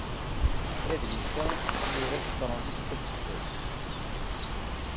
Adlis-a yura s tefṛensist tafessast.